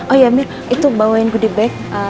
oh iya mir itu bawain kudibag